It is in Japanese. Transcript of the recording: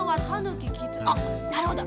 あっなるほど。